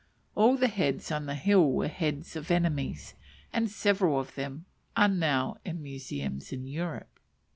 All the heads on the hill were heads of enemies, and several of them are now in museums in Europe.